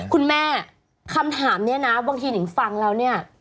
คุณแม่คำถามนี้นะบางทีถึงฟังแล้วเนี่ย